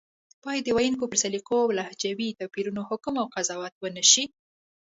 بايد د ویونکو پر سلیقو او لهجوي توپیرونو حکم او قضاوت ونشي